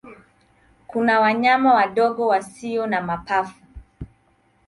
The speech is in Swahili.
Kuna wanyama wadogo wasio na mapafu.